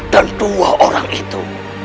dan dua orang itu